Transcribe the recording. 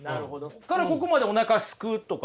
ここからここまでおなかすくとか。